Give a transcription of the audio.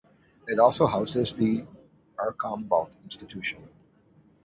It also houses the Archambault Institution.